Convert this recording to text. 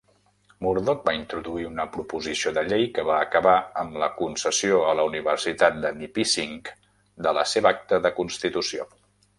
Murdock va introduir una proposició de llei que va acabar amb la concessió a la Universitat de Nipissing de la seva acta de constitució.